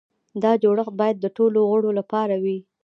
دا جوړښت باید د ټولو غړو لپاره وي.